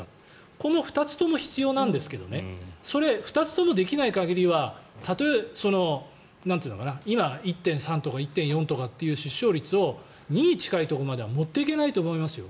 この２つとも必要なんですけどそれ、２つともできない限りはたとえ今１．３とか１．４という出生率を２に近いところまでは持っていけないと思いますよ。